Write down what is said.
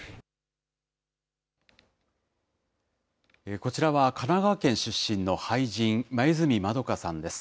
こちらは、神奈川県出身の俳人、黛まどかさんです。